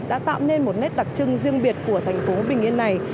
đã tạo nên một nét đặc trưng riêng biệt của thành phố bình yên này